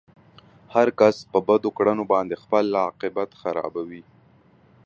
هر کس په بدو کړنو باندې خپل عاقبت خرابوي.